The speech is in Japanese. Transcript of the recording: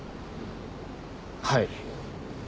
はい。